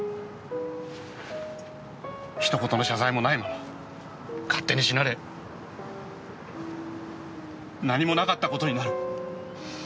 ひと言の謝罪もないまま勝手に死なれ何もなかった事になる。